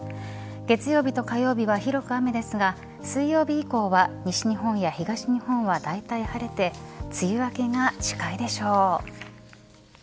月曜日と火曜日は広く雨ですが水曜日以降は西日本や東日本はだいたい晴れて梅雨明けが近いでしょう。